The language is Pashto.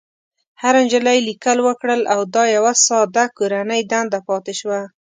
هرې نجلۍ ليکل وکړل او دا يوه ساده کورنۍ دنده پاتې شوه.